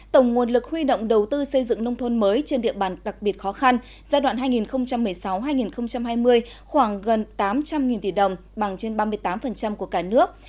tổng nguồn lực huy động đầu tư xây dựng nông thôn mới trên địa bàn đặc biệt khó khăn giai đoạn hai nghìn một mươi sáu hai nghìn hai mươi khoảng gần tám trăm linh tỷ đồng bằng trên ba mươi tám của cả nước